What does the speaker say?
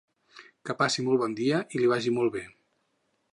Que passi molt bon dia i li vagi molt bé.